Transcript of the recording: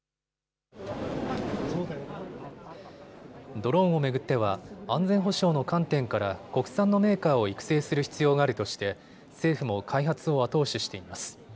ドローンを巡っては安全保障の観点から国産のメーカーを育成する必要があるとして政府も開発を後押ししています。